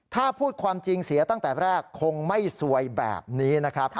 ถ้าพูดความจริงเสียตั้งแต่แรกคงไม่ซวยแบบนี้นะครับ